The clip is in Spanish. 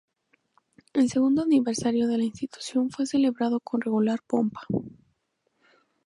El segundo aniversario de la institución fue celebrado con regular pompa.